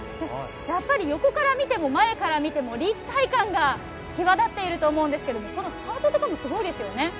横から見ても前から見ても立体感が際立ってると思うんですけどこのハートとかもすごいですよね。